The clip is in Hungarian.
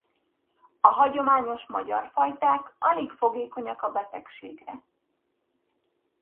A hagyományos magyar fajták alig fogékonyak a betegségre.